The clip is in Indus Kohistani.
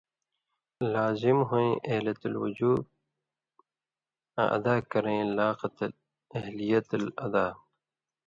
لازِم ہُویں (اہلیت الوُجوب) آں ادا کرَیں لاقَت (اہلیت الاداء)۔